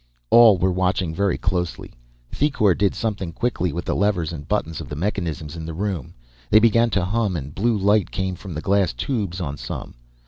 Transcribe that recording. "All were watching very closely. Thicourt did something quickly with the levers and buttons of the mechanisms in the room. They began to hum, and blue light came from the glass tubes on some.